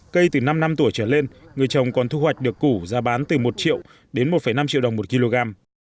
cây từ năm năm tuổi trở lên người chồng còn thu hoạch được củ giá bán từ một triệu đến một năm triệu đồng một kg